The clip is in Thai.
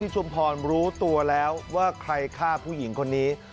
ชุมพรรู้ตัวแล้วว่าใครฆ่าผู้หญิงคนนี้